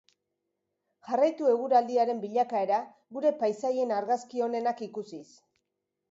Jarraitu eguraldiaren bilakaera gure paisaien argazki onenak ikusiz.